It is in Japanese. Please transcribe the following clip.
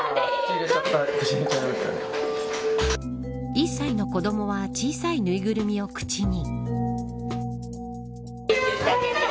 １歳の子どもは小さい縫いぐるみを口に。